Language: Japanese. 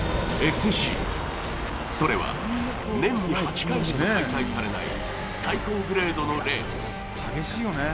ＳＧ、それは年に８回しか開催されない最高グレードのレース。